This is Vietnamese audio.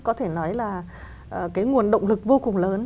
có thể nói là cái nguồn động lực vô cùng lớn